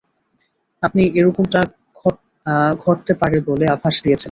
আপনি এরকমটা ঘটতে পারে বলে আভাস দিয়েছিলেন।